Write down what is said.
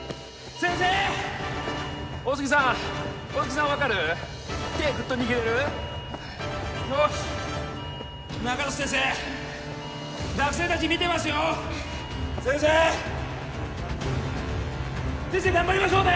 先生頑張りましょうね！